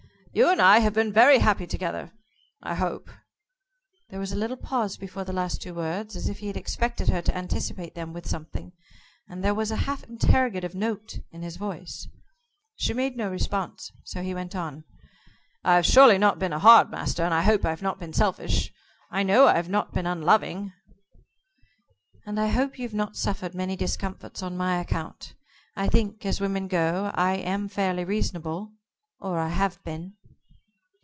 "You and I have been very happy together I hope." There was a little pause before the last two words, as if he had expected her to anticipate them with something, and there was a half interrogative note in his voice. She made no response, so he went on, "I've surely not been a hard master and I hope I've not been selfish. I know I've not been unloving." "And I hope you've not suffered many discomforts on my account. I think, as women go, I am fairly reasonable or I have been."